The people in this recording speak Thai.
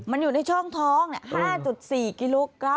มันอยู่ในช่องท้อง๕๔กิโลกรัม